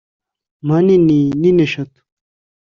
mpa nini nini eshanu!